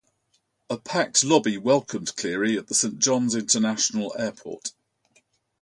A packed lobby welcomed Cleary at the Saint John's International Airport.